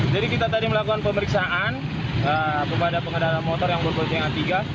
jadi kita tadi melakukan pemeriksaan kepada pengadalan motor yang berboncengan tiga